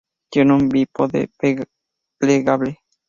Tiene un bípode plegable.